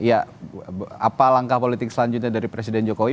ya apa langkah politik selanjutnya dari presiden jokowi